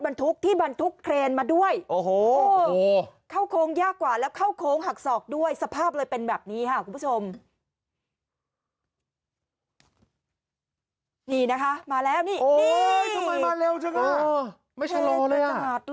นี่นะคะมาแล้วนี่นี่หนีไม่ชะลอเลยอ่ะ